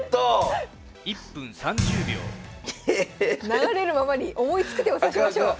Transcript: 流れるままに思いつく手を指しましょう。